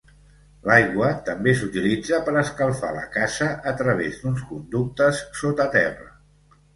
L'aigua també s'utilitza per escalfar la casa a través d'uns conductes sota terra.